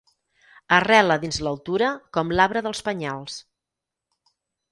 Arrela dins l'altura com l'arbre dels penyals.